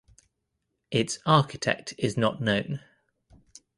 Its architect is not known.